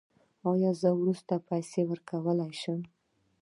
ایا زه وروسته پیسې ورکولی شم؟